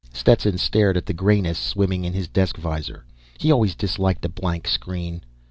Stetson stared at the grayness swimming in his desk visor. He always disliked a blank screen.